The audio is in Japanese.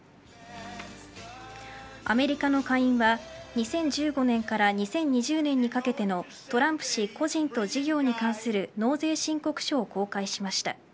アメリカの下院は２０１５年から２０２０年にかけてのトランプ氏個人と事業に関する納税申告書を公開しました。